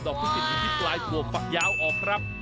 ดอกพิกฤติที่ปลายถั่วฝักยาวออกครับ